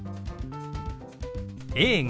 「映画」。